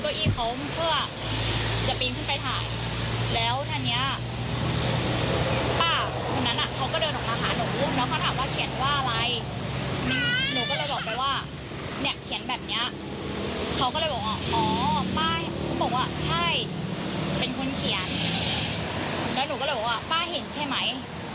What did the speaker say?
เขาก็บอกว่าใช่